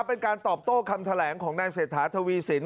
เป็นการตอบโต้คำแถลงของนายเศรษฐาทวีสิน